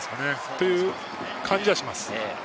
という感じがします。